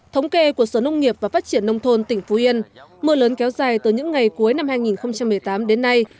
thống kê của sở nông nghiệp và phát triển nông thôn tỉnh phú yên mưa lớn kéo dài từ những ngày cuối năm hai nghìn một mươi tám đến nay